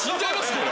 これ。